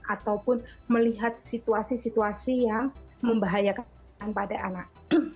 ataupun melihat situasi situasi yang membahayakan pada anak